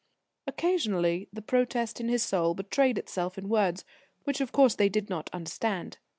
Occasionally the protest in his soul betrayed itself in words, which of course they did not understand.